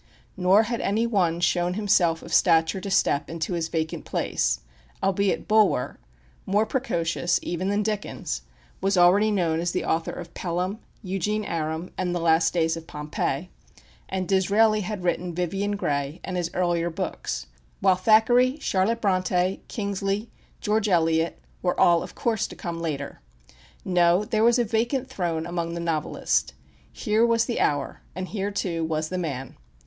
Nor had any one shown himself of stature to step into his vacant place, albeit Bulwer, more precocious even than Dickens, was already known as the author of "Pelham," "Eugene Aram," and the "Last Days of Pompeii;" and Disraeli had written "Vivian Grey," and his earlier books; while Thackeray, Charlotte Brontë, Kingsley, George Eliot were all, of course, to come later. No, there was a vacant throne among the novelists. Here was the hour and here, too, was the man.